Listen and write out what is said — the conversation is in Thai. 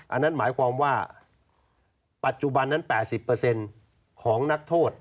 อันนั้นหมายความว่าปัจจุบันนั้น๘๐ของนักโทษ